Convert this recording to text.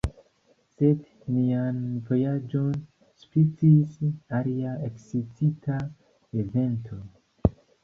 Sed nian vojaĝon spicis alia ekscita evento.